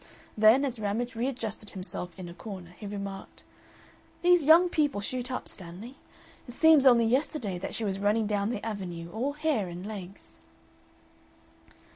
Then, as Ramage readjusted himself in a corner, he remarked: "These young people shoot up, Stanley. It seems only yesterday that she was running down the Avenue, all hair and legs."